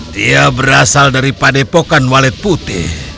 dia berasal dari padepokan walet putih